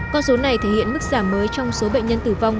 con số này thể hiện mức giảm mới trong số bệnh nhân tử vong